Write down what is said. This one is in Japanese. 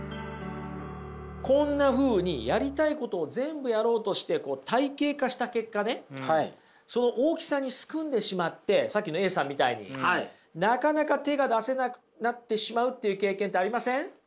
こんなふうにやりたいことを全部やろうとして体系化した結果ねその大きさにすくんでしまってさっきのＡさんみたいになかなか手が出せなくなってしまうっていう経験ってありません？